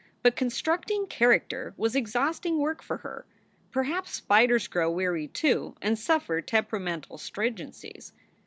But con structing character was exhausting work for her perhaps spiders grow weary, too, and suffer temperamental strin gencies.